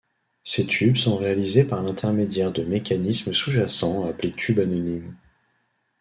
Ces tubes sont réalisés par l'intermédiaire de mécanisme sous-jacent appelé tubes anonymes.